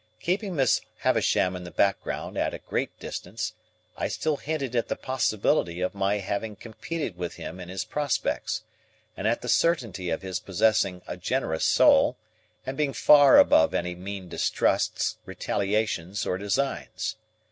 Keeping Miss Havisham in the background at a great distance, I still hinted at the possibility of my having competed with him in his prospects, and at the certainty of his possessing a generous soul, and being far above any mean distrusts, retaliations, or designs.